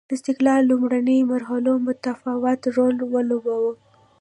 د استقلال لومړنیو مرحلو متفاوت رول ولوباوه.